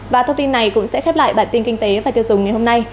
và thông tin này cũng sẽ khép lại bản tin kinh tế và tiêu dùng ngày hôm nay